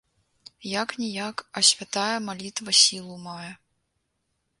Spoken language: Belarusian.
Як-ніяк, а святая малітва сілу мае.